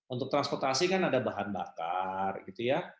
untuk transportasi kan ada bahan bakar gitu ya